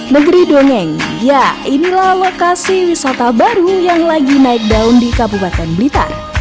negeri dongeng ya inilah lokasi wisata baru yang lagi naik daun di kabupaten blitar